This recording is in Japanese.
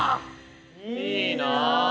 いいな。